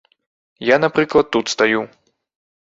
Я, напрыклад, тут стаю.